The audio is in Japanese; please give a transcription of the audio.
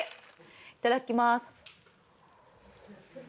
いただきます。